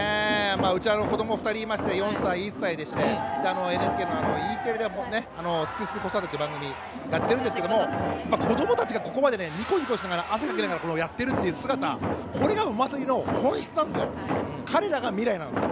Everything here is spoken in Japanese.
うちは子どもが２人いまして４歳と１歳でしてＮＨＫのＥテレで「すくすく子育て」っていう番組をやってるんですが子どもたちがここまでにこにこしながらやっている姿これがお祭りの本質なんです。